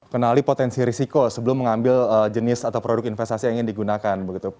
kenali potensi risiko sebelum mengambil jenis atau produk investasi yang ingin digunakan